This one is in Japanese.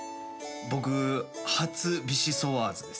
僕初ビシソワーズです。